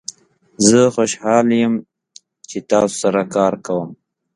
زه خوشحال یم چې تاسو سره کار کوم.